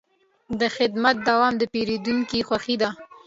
د خدمت دوام د پیرودونکي خوښي ده.